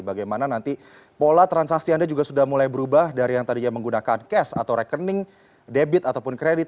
bagaimana nanti pola transaksi anda juga sudah mulai berubah dari yang tadinya menggunakan cash atau rekening debit ataupun kredit